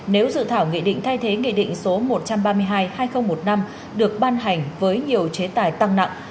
nếu dự thảo nghị định thay thế nghị định số một trăm ba mươi hai hai nghìn một mươi năm được ban hành với nhiều chế tài tăng nặng